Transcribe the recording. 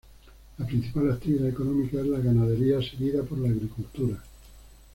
La principal actividad económica es la ganadería seguida por la agricultura.